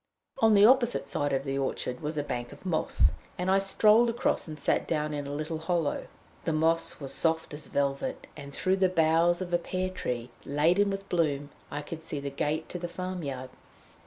On the opposite side of the orchard was a bank of moss, and I strolled across and sat down in a little hollow. The moss was soft as velvet, and through the boughs of a pear tree, laden with bloom, I could see the gate to the farm yard.